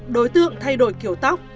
đối tượng thay đổi kiểu tóc